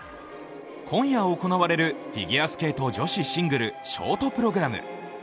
今夜行われるフィギュアスケート女子シングルショートプログラム。